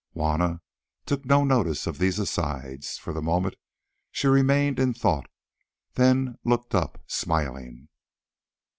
Juanna took no notice of these asides. For the moment she remained in thought, then looked up smiling.